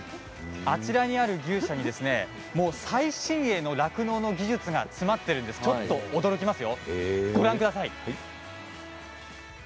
あちらにある牛舎に最新鋭の酪農の技術が詰まっているんですちょっと驚きますよ。